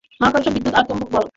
মহাকর্ষ, বিদ্যুৎ আর চুম্বক বল।